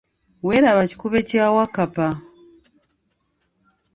Weeraba kikube kya Wakkapa.